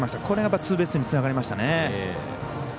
これがツーベースにつながりましたね。